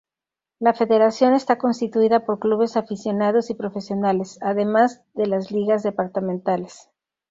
La federación está constituida por clubes aficionados y profesionales, además de las ligas departamentales.